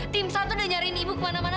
tim satu udah nyariin ibu kemana mana